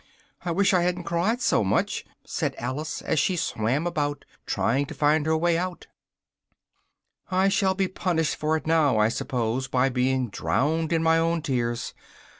"I wish I hadn't cried so much!" said Alice, as she swam about, trying to find her way out, "I shall be punished for it now, I suppose, by being drowned in my own tears!